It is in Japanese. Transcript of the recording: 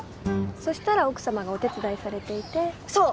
そしたら奥様がお手伝いされていてそう！